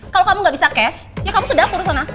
kalau kamu gak bisa cash ya kamu ke dapur sana